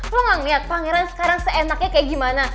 lo gak ngeliat pangeran sekarang seenaknya kayak gimana